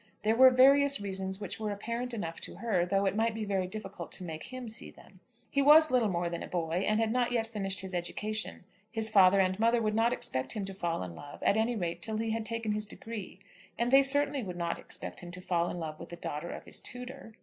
There were various reasons which were apparent enough to her though it might be very difficult to make him see them. He was little more than a boy, and had not yet finished his education. His father and mother would not expect him to fall in love, at any rate till he had taken his degree. And they certainly would not expect him to fall in love with the daughter of his tutor.